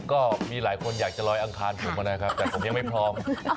ก็มีหลายคนอยากจะลอยอังคารผมนะครับแต่ผมยังไม่พร้อม